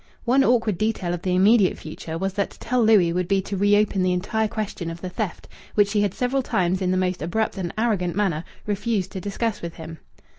One awkward detail of the immediate future was that to tell Louis would be to reopen the entire question of the theft, which she had several times in the most abrupt and arrogant manner refused to discuss with him.